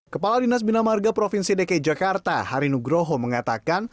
kepala dinas bina marga provinsi dki jakarta hari nugroho mengatakan